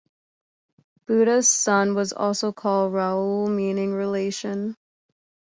Buddha's son was also called Rahul, meaning "relation".